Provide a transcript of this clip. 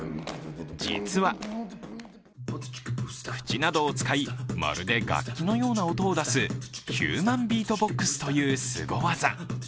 実は口などを使い、まるで楽器のような音を出すヒューマン・ビート・ボックスというすご技。